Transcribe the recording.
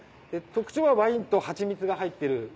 特徴はワインと蜂蜜が入ってる。